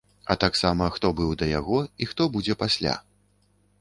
А таксама, хто быў да яго і хто будзе пасля?